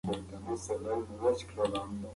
همږغه